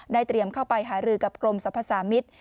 เตรียมเข้าไปหารือกับกรมสรรพสามิตร